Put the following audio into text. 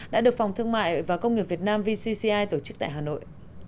đã được phòng thương mại và công nghiệp việt nam vcci tổ chức tại hà nội